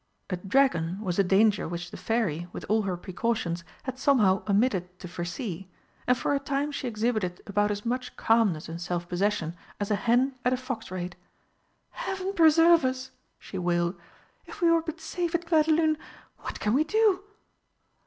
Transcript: A dragon was a danger which the Fairy, with all her precautions, had somehow omitted to foresee, and for a time she exhibited about as much calmness and self possession as a hen at a fox raid. "Heaven preserve us!" she wailed. "If we were but safe at Clairdelune! What can we do?"